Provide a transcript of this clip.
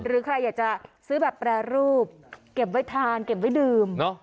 หรือใครอยากจะซื้อแบบแปรรูปเก็บไว้ทานเก็บไว้ดื่ม